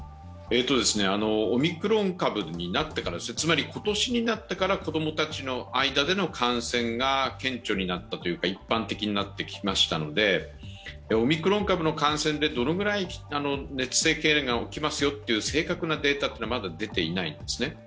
オミクロン株になってから、つまり今年になってから子供たちの間での感染が顕著になった、一般的になってきましたのでオミクロン株の感染でどのくらい熱性けいれんが起きますよという正確なデータはまだ出ていないんですね。